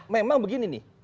memang begini nih